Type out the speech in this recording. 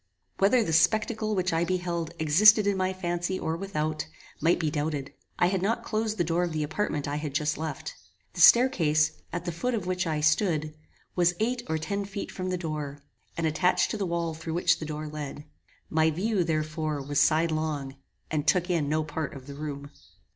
Whether the spectacle which I beheld existed in my fancy or without, might be doubted. I had not closed the door of the apartment I had just left. The stair case, at the foot of which I stood, was eight or ten feet from the door, and attached to the wall through which the door led. My view, therefore, was sidelong, and took in no part of the room.